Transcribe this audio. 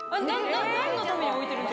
なんのために置いてるんです